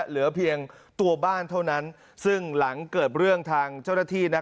เหลือเพียงตัวบ้านเท่านั้นซึ่งหลังเกิดเรื่องทางเจ้าหน้าที่